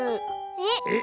えっ⁉